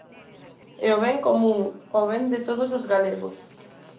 É o ben común, o ben de todos os galegos.